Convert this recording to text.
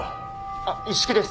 あっ一色です。